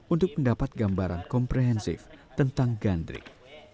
untuk mendapat gambaran komprehensif tentang gandrik